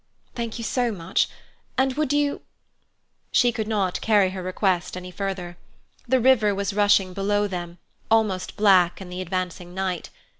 "Thank you so much. And would you—" She could not carry her request any further. The river was rushing below them, almost black in the advancing night.